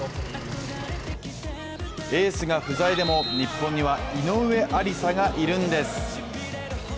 エースが不在でも日本には井上愛里沙がいるんです！